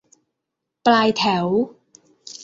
ปลายแถว